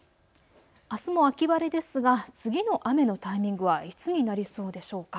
あすも秋晴れですが次の雨のタイミングはいつになりそうでしょうか。